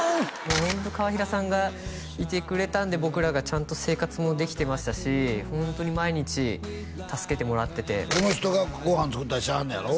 もうホント川平さんがいてくれたんで僕らがちゃんと生活もできてましたしホントに毎日助けてもらっててこの人がご飯作ったりしはんねやろ？